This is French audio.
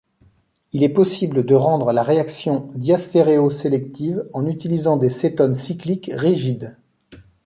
Il est possible de rendre la réaction diastéréosélective en utilisant des cétones cycliques rigides.